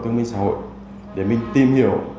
thương minh xã hội để mình tìm hiểu